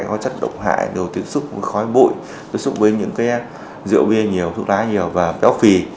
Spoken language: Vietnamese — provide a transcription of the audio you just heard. có chất độc hại điều tiến xúc với khói bụi tiến xúc với những cái rượu bia nhiều thuốc lá nhiều và béo phì